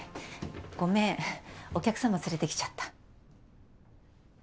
ごめんお客様連れてきちゃった。